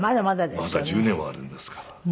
まだ１０年はあるんですから。